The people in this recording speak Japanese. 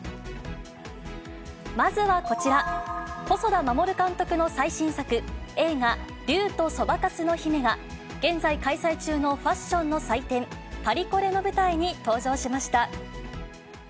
まずはこちら、細田守監督の最新作、映画、竜とそばかすの姫が、現在開催中のファッションの祭典、パリコレの舞台に登場しました。